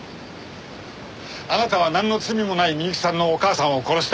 あなたはなんの罪もない美雪さんのお母さんを殺した。